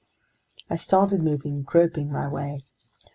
I started moving, groping my way.